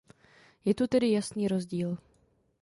Je tu tedy jasný rozdíl.